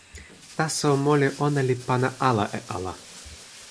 taso moli ona li pana ala e ala.